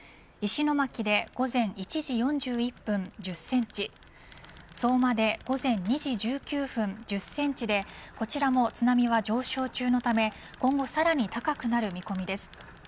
石巻で午前１時４１分１０センチ相馬で午前２時１９分、１０センチでこちらも津波は上昇中のため今後さらに高くなる見込みです。